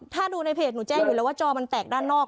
ถ้าดูในเพจหนูแจ้งอยู่แล้วว่าจอมันแตกด้านนอก